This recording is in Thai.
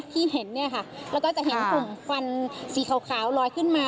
ที่เห็นเนี่ยค่ะแล้วก็จะเห็นกลุ่มควันสีขาวลอยขึ้นมา